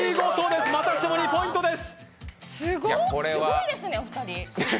すごっ、すごいですねお二人。